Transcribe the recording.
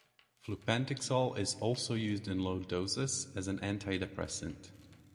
Flupentixol is also used in low doses as an antidepressant.